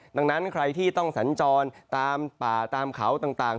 ดังนั้นใครที่ต้องสัญจรตามป่าตามเขาต่าง